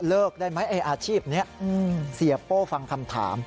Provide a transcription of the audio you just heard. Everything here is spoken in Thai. ได้ไหมไอ้อาชีพนี้เสียโป้ฟังคำถาม